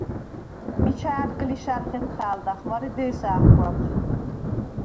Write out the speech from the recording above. მიჩა ა̈რგლიშა̈რ ხეთხა̄̈ლდახ, მარე დე̄სა ა̈ხგვა̈ბხ.